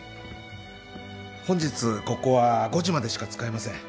本日ここは５時までしか使えません。